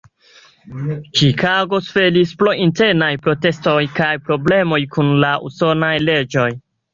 Ĉikago suferis pro internaj protestoj kaj problemoj kun la usonaj leĝoj.